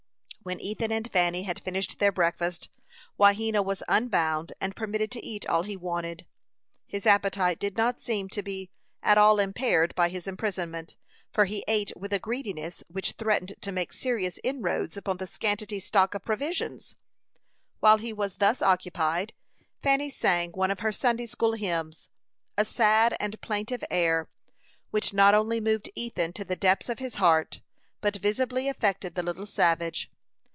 When Ethan and Fanny had finished their breakfast, Wahena was unbound and permitted to eat all he wanted. His appetite did not seem to be at all impaired by his imprisonment, for he ate with a greediness which threatened to make serious inroads upon the scanty stock of provisions. While he was thus occupied, Fanny sang one of her Sunday school hymns, a sad and plaintive air, which not only moved Ethan to the depths of his heart, but visibly affected the little savage.